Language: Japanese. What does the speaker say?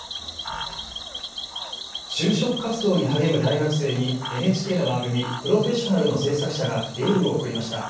就職活動に励む大学生にＮＨＫの番組、プロフェッショナルの制作者がエールを送りました。